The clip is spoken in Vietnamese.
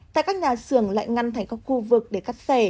tại các nhà xưởng lại ngăn thành các khu vực để cắt xẻ